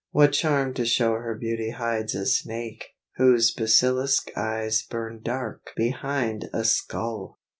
What charm to show her beauty hides a snake, Whose basilisk eyes burn dark behind a skull!